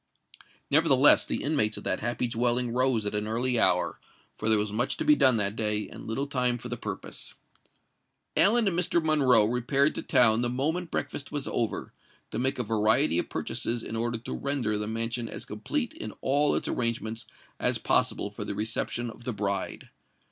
Nevertheless, the inmates of that happy dwelling rose at an early hour—for there was much to be done that day, and little time for the purpose. Ellen and Mr. Monroe repaired to town the moment breakfast was over, to make a variety of purchases in order to render the mansion as complete in all its arrangements as possible for the reception of the bride.